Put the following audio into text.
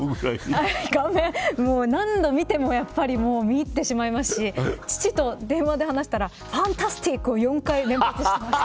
何度見ても見入ってしまいますし父と電話で話したらファンタスティックを４回、連発していました。